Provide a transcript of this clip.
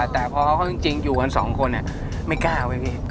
แต่พอจริงอยู่กันสองคนเนี่ยไม่กล้าไว้พี่